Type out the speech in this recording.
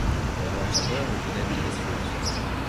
L'enjambeur est d'une aide précieuse.